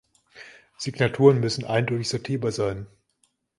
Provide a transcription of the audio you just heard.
Signaturen müssen eindeutig sortierbar sein.